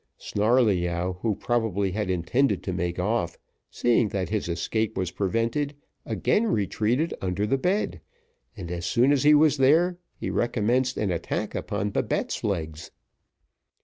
Snarleyyow, who probably had intended to make off, seeing that his escape was prevented, again retreated under the bed, and as soon as he was there he recommenced an attack upon Babette's legs.